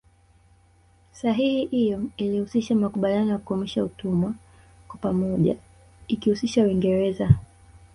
Sahihi iyo ilihusisha makubaliano ya kukomesha utumwa kwa pamoja ikiihusisha Uingereza